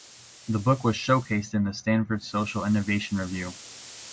The book was showcased in "the Stanford Social Innovation Review".